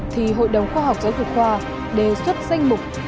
thì hội đồng khoa học giáo dục khoa đề xuất danh mục